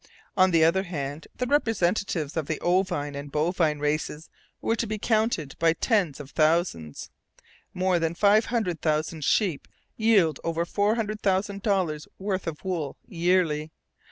On the other hand, the representatives of the ovine and bovine races were to be counted by tens of thousands. More than five hundred thousand sheep yield over four hundred thousand dollars' worth of wool yearly.